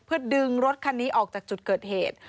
เพื่อดึงรถคันนี้ออกจากจุดเกิดเหตุ